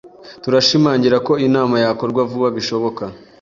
Turashimangira ko inama yakorwa vuba bishoboka.